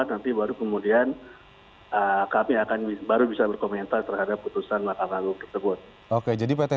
nanti baru kemudian kami akan baru bisa berkomentar